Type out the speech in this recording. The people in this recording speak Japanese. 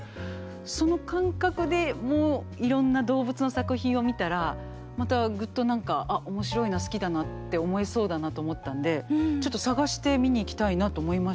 その感覚でもういろんな動物の作品を見たらまたグッと何か「あっ面白いな好きだなって思えそうだな」と思ったんでちょっと探して見に行きたいなと思いましたね。